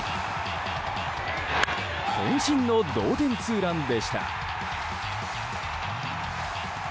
渾身の同点ツーランでした。